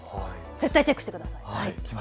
絶対にチェックしてください。